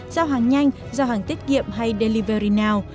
giao hàng nhanh giao hàng tiết kiệm hay deliverynow